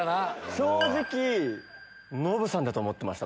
正直ノブさんだと思ってました。